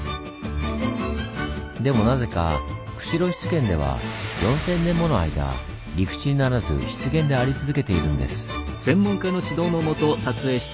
でもなぜか釧路湿原では４０００年もの間陸地にならず湿原であり続けているんです。